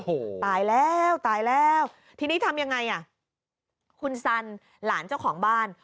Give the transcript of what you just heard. โอ้โหตายแล้วตายแล้วทีนี้ทำยังไงอ่ะคุณสันหลานเจ้าของบ้าน